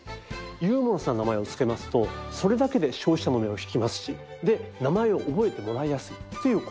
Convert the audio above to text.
ユーモラスな名前をつけますとそれだけで消費者の目を引きますしで名前を覚えてもらいやすいっていう効果があります。